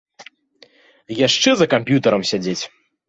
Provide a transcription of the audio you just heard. Яшчэ за камп'ютарам сядзець.